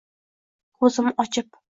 Ko’zim ochib